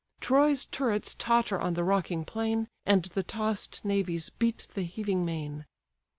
Troy's turrets totter on the rocking plain, And the toss'd navies beat the heaving main.